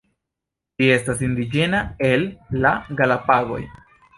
Ĝi estas indiĝena el la Galapagoj.